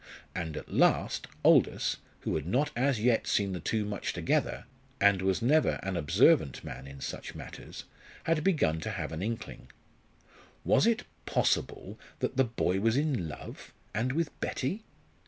And at last Aldous, who had not as yet seen the two much together, and was never an observant man in such matters, had begun to have an inkling. Was it possible that the boy was in love, and with Betty?